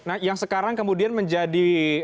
nah yang sekarang kemudian menjadi